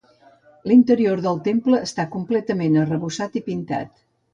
L'interior del temple està completament arrebossat i pintat.